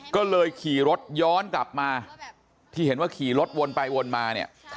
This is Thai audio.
ก็เลยขี่รถย้อนกลับมาที่เห็นว่าขี่รถวนไปวนมาเนี่ย